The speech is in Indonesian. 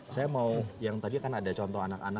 saya mau yang tadi kan ada contoh anak anak